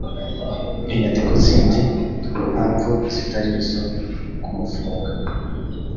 inyandiko zindi mpamvu zitari izo kumufunga